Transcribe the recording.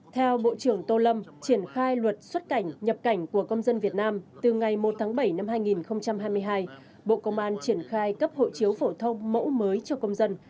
theo bộ trưởng tô lâm triển khai luật xuất cảnh nhập cảnh của công dân việt nam từ ngày một tháng bảy năm hai nghìn hai mươi hai bộ công an triển khai cấp hộ chiếu phổ thông mẫu mới cho công dân